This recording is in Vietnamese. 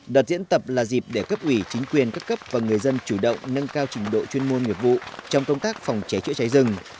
đợt diễn tập là dịp để cấp ủy chính quyền các cấp và người dân chủ động nâng cao trình độ chuyên môn nghiệp vụ trong công tác phòng cháy chữa cháy rừng